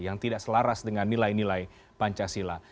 yang tidak selaras dengan nilai nilai pancasila